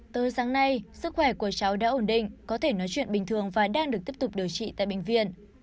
tới sáng nay sức khỏe của cháu đã ổn định có thể nói chuyện bình thường và đang được tiếp tục điều trị tại bệnh viện